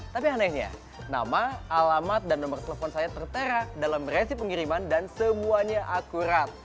tapi anehnya nama alamat dan nomor telepon saya tertera dalam resip pengiriman dan semuanya akurat